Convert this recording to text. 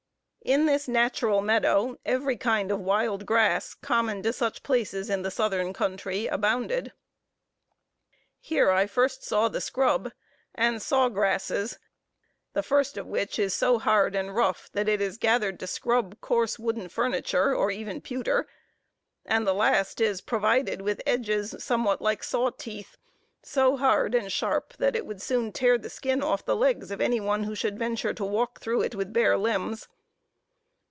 In this natural meadow every kind of wild grass, common to such places in the southern country, abounded. Here I first saw the scrub and saw grasses the first of which is so hard and rough, that it is gathered to scrub coarse wooden furniture, or even pewter; and the last is provided with edges, somewhat like saw teeth, so hard and sharp that it would soon tear the skin off the legs of any one who should venture to walk through it with bare limbs.